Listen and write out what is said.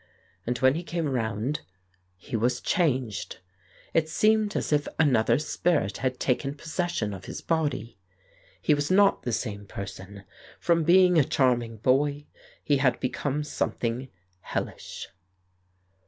And when he came round, he was changed. ... It seemed as if another spirit had taken possession of his body. He was not the same person : from being a charming boy, he had become something hellish."